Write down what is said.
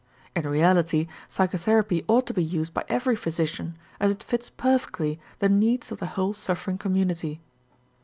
In reality psychotherapy ought to be used by every physician, as it fits perfectly the needs of the whole suffering community.